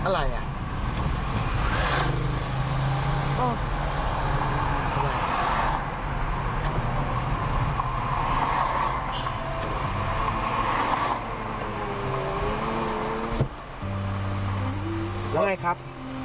แล้วไงครับ